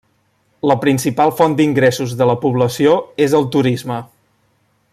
La principal font d'ingressos de la població és el turisme.